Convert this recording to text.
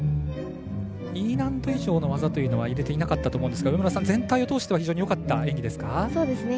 Ｅ難度以上の技というのは入れていなかったと思うんですが全体を通しては非常によかった演技ですか？